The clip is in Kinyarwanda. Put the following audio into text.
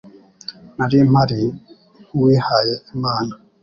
Nari mpari nkuwihaye Imana